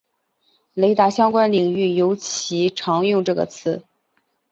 雷达相关领域尤其常用这个词。